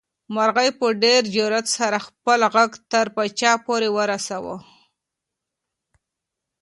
مرغۍ په ډېر جرئت سره خپل غږ تر پاچا پورې ورساوه.